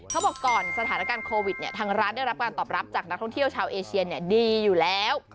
เขาบอกก่อนสถานการณ์โควิดทางร้านได้รับการตอบรับจากนักท่องเที่ยวชาวเอเชียดีอยู่แล้ว